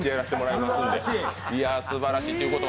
いや、すばらしい！